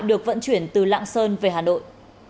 được vận chuyển từ lạng sơn về hà nội